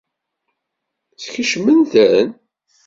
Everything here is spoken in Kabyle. Skecment-ten?